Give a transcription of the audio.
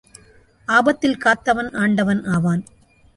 ஆபத்தில் காத்தவன் ஆண்டவன் ஆவான்.